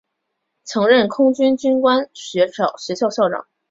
曾任空军军官学校校长。